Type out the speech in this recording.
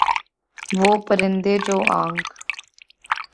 وہ پرندے جو آنکھ